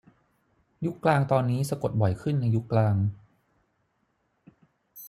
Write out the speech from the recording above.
ยุคกลางตอนนี้สะกดบ่อยขึ้นในยุคกลาง